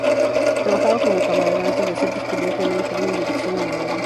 Trabajaba como camarera antes de ser descubierta en un tren en dirección a Noruega.